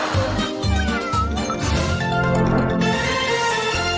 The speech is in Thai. สวัสดีครับสวัสดีครับ